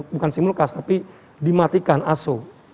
bukan simulkas tapi dimatikan aso